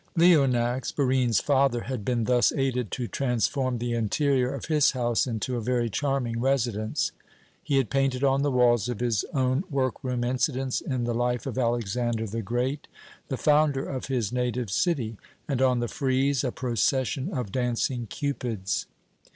Leonax, Barine's father, had been thus aided to transform the interior of his house into a very charming residence. He had painted on the walls of his own work room incidents in the life of Alexander the Great, the founder of his native city, and on the frieze a procession of dancing Cupids.